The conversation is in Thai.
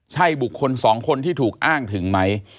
ใช่บุคคลสองคนที่ถูกอ้างถึงไหม